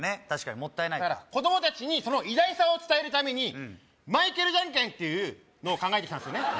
確かにもったいないか子供達にその偉大さを伝えるためにマイケルじゃんけんっていうのを考えてきたんですよね